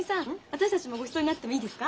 私たちもごちそうになってもいいですか？